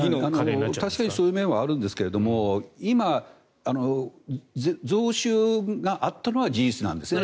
確かにそういう面はあるんですけど今、増収があったのは事実なんですね。